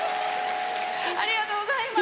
ありがとうございます。